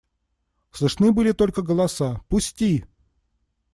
Слышны были только голоса: – Пусти!